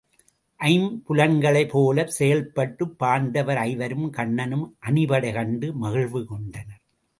ஐம்புலன்களைப் போலச் செயல்பட்டுப் பாண்டவர் ஐவரும் கண்ணனும் அணிபடைகண்டு மகிழ்வு கொண்ட னர்.